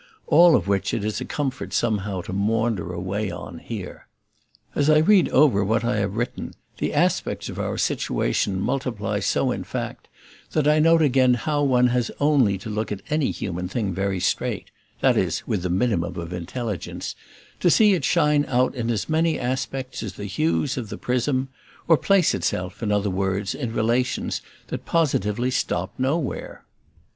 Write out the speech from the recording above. All of which it is a comfort somehow to maunder away on here. As I read over what I have written the aspects of our situation multiply so in fact that I note again how one has only to look at any human thing very straight (that is with the minimum of intelligence) to see it shine out in as many aspects as the hues of the prism; or place itself, in other words, in relations that positively stop nowhere.